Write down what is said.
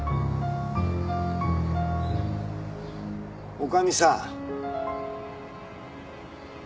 女将さん。